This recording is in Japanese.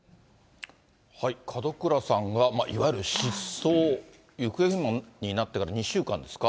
門倉さんがいわゆる失踪、行方不明になってから２週間ですか。